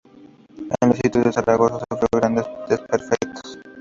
En los Sitios de Zaragoza sufrió grandes desperfectos.